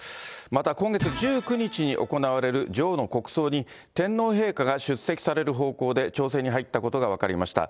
また、今月１９日に行われる女王の国葬に、天皇陛下が出席される方向で調整に入ったことが分かりました。